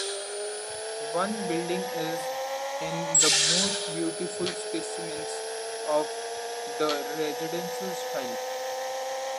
One building is in the most beautiful specimens of the residential style.